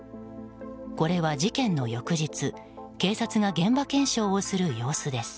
これは事件の翌日警察が現場検証をする様子です。